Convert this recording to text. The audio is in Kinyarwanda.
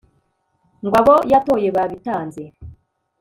ngo abo yatoye babitaze